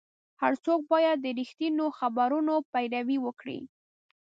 هر څوک باید د رښتینو خبرونو پیروي وکړي.